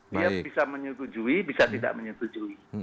dia bisa menyetujui bisa tidak menyetujui